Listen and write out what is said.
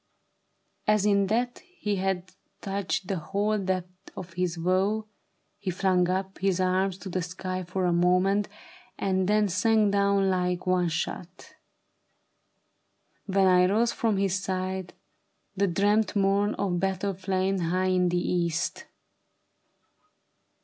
" As in that He had touched the whole depth of his woe, he flung uj) His arms to the sky for a moment, and then Sank down like one shot. When I rose from his side, The dread morn of battle flamed high in the East.